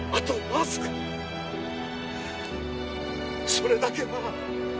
それだけは。